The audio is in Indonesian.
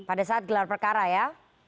pada saat gelar perkara ya